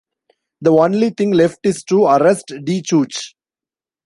The only thing left is to arrest DeChooch.